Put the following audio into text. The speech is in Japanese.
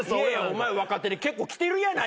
お前若手で結構きてるやないか。